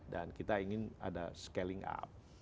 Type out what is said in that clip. dan kita ingin ada scaling up